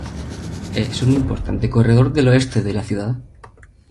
Es un importante corredor del Oeste de la ciudad.